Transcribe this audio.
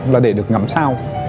là để được ngắm sao